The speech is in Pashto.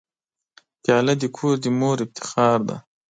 پیاله د کور د مور افتخار دی.